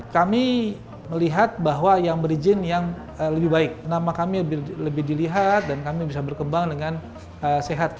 kami melihat bahwa yang berizin yang lebih baik nama kami lebih dilihat dan kami bisa berkembang dengan sehat